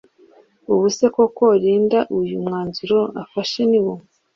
Ubu se koko Linda uyu mwanzuro afashe niwo